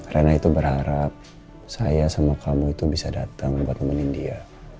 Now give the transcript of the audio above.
rena itu berharap saya sama kamu itu bisa datang buat nemenin dia